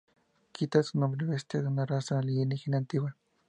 Kita es un hombre-bestia de una raza alienígena antigua.